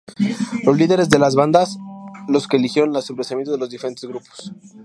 Los líderes de las bandas los que eligieron los emplazamientos de los diferentes grupos.